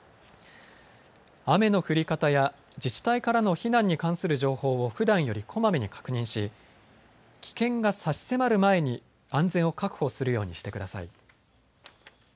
雨の降り方や自治体からの避難に関する情報をふだんよりこまめに確認し、危険が差し迫る前に安全を確保するようにしてください。